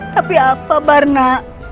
tapi apa barna